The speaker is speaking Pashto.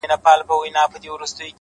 o هغه دي مړه سي زموږ نه دي په كار؛